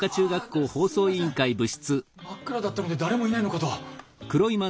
真っ暗だったので誰もいないのかと。